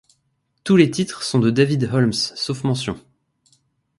Tous les titres sont de David Holmes, sauf mentions.